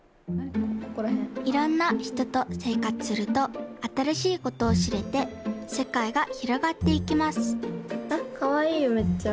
いろんなひととせいかつするとあたらしいことをしれてせかいがひろがっていきますあっかわいいよめっちゃ。